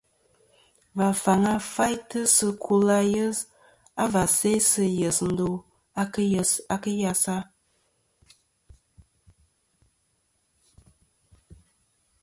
Và faŋa faytɨ sɨ kul ayes a và sæ sɨ yes ndo a kɨ yesa.